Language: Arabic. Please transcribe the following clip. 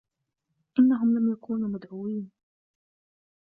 إنهم لم يكونوا مدعويين.